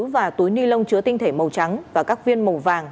và túi ni lông chứa tinh thể màu trắng và các viên màu vàng